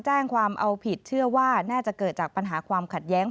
แจ้งความเอาผิดเชื่อว่าน่าจะเกิดจากปัญหาความขัดแย้ง